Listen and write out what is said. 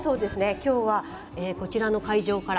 今日は、こちらの会場から。